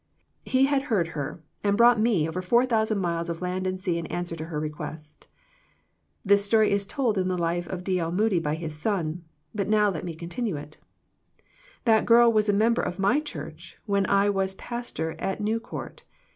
He had heard her, and brought me over four thousand miles of land and sea in answer to her request." This story is told in the life of D. L. Moody by his son : but now let me continue it. That girl was a member of my church when I was pastor at ISTew Court.